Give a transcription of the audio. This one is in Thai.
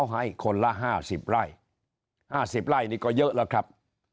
ให้คนละ๕๐ร่าย๕๐ร่ายก็เยอะเลยครับ